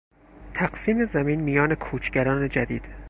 تقسیم زمین میان کوچگران جدید